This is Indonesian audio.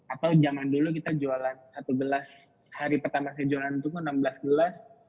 atau zaman dulu kita jualan satu gelas hari pertama saya jualan itu enam belas gelas